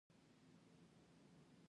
د نجونو تعلیم د خوړو د خوندیتوب لامل کیږي.